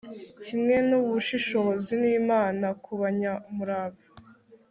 kimwe n'ubushishozi n'inama ku banyamurava